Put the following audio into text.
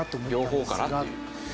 両方からという。